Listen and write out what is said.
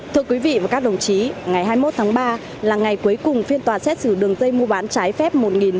thưa quý vị và các đồng chí ngày hai mươi một tháng ba là ngày cuối cùng phiên tòa xét xử đường dây mua bán trái phép